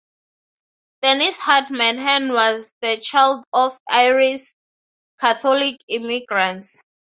Dennis Hart Mahan was the child of Irish Catholic immigrants.